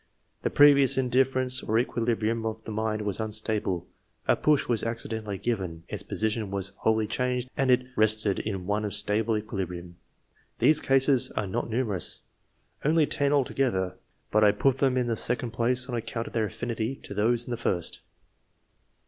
The previous indiflFerence or equilibrium of the mind was unstable, a push was accidentally given, its position was wholly changed, and it rested in one of stable equili brium. These cases are not numerous — only 10 altogether — ^but I put them in the second place on account of their affinity to those in the first.